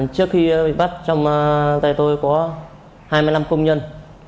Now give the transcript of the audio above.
trước khi bị bắt trong tay tôi có hai mươi năm công nhân